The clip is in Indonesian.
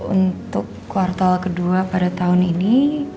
untuk kuartal kedua pada tahun ini